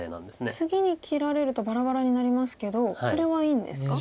次に切られるとバラバラになりますけどそれはいいんですか？